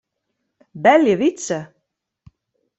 Belje Wytse.